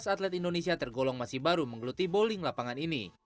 dua belas atlet indonesia tergolong masih baru menggeluti bowling lapangan ini